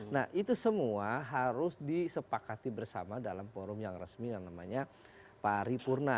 nah itu semua harus disepakati bersama dalam forum yang resmi yang namanya paripurna